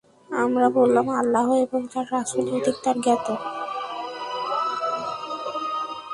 আমরা বললাম, আল্লাহ এবং তাঁর রাসূলই অধিকতর জ্ঞাত।